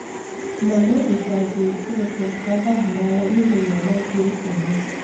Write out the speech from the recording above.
ma na-ekpekwazịrị Chineke ka ọ gbaghara ya n'ihi na ọ maghị ụma